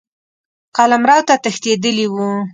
قلمرو ته تښتېدلی وو.